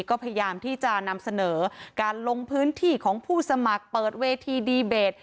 ก็พยายามที่จะนำเสนอการลงพื้นที่ของผู้สมัครเปิดเวทีดีเบต